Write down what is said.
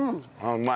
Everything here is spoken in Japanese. うまい。